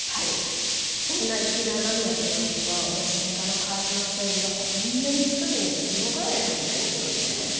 女好きの雨宮教授と野心家の川島教授がこんなに近くにいて何も起こらないはずないですもんね。